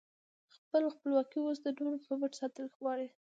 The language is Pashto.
خپله خپلواکي اوس د نورو په مټ ساتل غواړې؟